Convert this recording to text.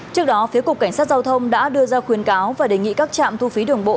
trước đó phía cục cảnh sát giao thông đã đưa ra khuyến cáo và đề nghị các trạm thu phí đường bộ